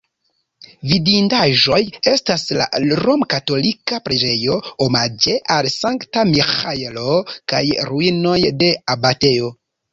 Vidindaĵoj estas la romkatolika preĝejo omaĝe al Sankta Miĥaelo kaj ruinoj de abatejo.